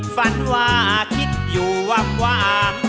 ฝันว่าคิดอยู่ว่าง